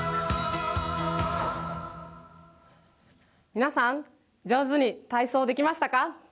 皆さん、上手に体操できましたか？